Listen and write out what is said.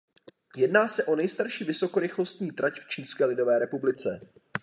Jedná se o nejstarší vysokorychlostní trať v Čínské lidové republice.